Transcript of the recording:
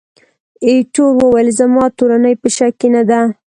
ایټور وویل، زما تورني په شک کې نه ده.